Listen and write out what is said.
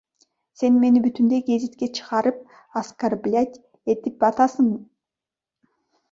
Сен мени бүтүндөй гезитке чыгарып оскорблять этип атасың, блядь.